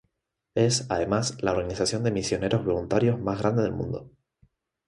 Es, además, la organización de misioneros voluntarios más grande del mundo.